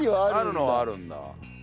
あるのはあるんだ。